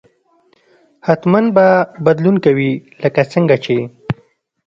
حتما به بدلون کوي لکه څنګه چې